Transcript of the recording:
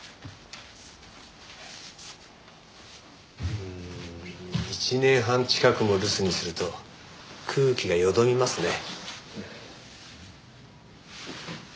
うーん１年半近くも留守にすると空気がよどみますね。